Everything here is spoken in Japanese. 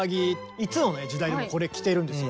いつの時代でもこれ着てるんですよ。